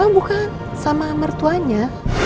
bukan sama mertuanya